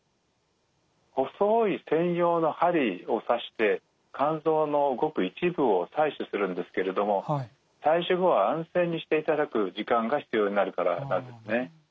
細い専用の針を刺して肝臓のごく一部を採取するんですけれども採取後は安静にしていただく時間が必要になるからなんですね。